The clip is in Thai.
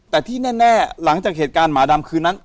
แต่ที่แน่หลังจากเหตุการณ์หมาดำคืนนั้น